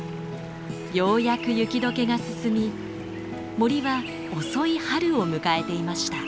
ようやく雪解けが進み森は遅い春を迎えていました。